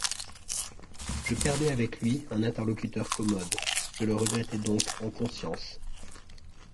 Je perdais avec lui un interlocuteur commode : je le regrettai donc en conscience.